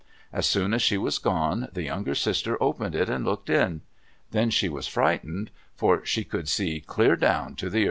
As soon as she was gone, the younger sister opened it and looked in. Then she was frightened, for she could see clear down to the earth below.